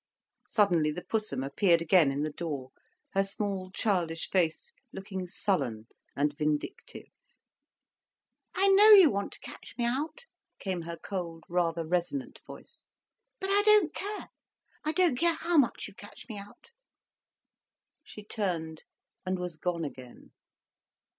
Suddenly the Pussum appeared again in the door, her small, childish face looking sullen and vindictive. "I know you want to catch me out," came her cold, rather resonant voice. "But I don't care, I don't care how much you catch me out." She turned and was gone again.